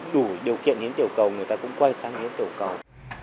đủ điều kiện hiến tiểu cầu người ta cũng quay sang hiến tiểu cầu